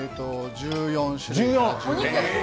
１４種類。